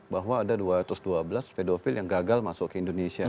bahwa ada dua ratus dua belas pedofil yang gagal masuk ke indonesia